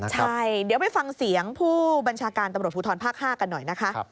ใช่เดี๋ยวไปฟังเสียงผู้บัญชาการตำรวจภูทรภาค๕กันหน่อยนะคะ